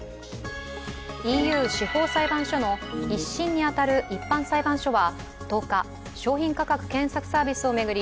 ＥＵ司法裁判所の１審に当たる一般裁判所は１０日商品価格検索サービスを巡り